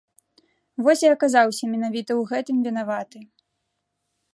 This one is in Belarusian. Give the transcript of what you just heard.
Вось і аказаўся менавіта ў гэтым вінаваты.